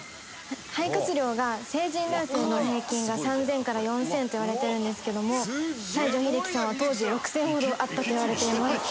「肺活量が成人男性の平均が３０００から４０００といわれてるんですけども西城秀樹さんは当時６０００ほどあったといわれています」